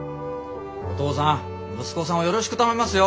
お父さん息子さんをよろしく頼みますよ！